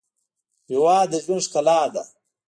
هېواد د ژوند ښکلا ده.